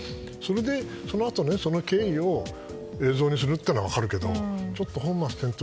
それでそのあと、経緯を映像にするのは分かるけどちょっと本末転倒。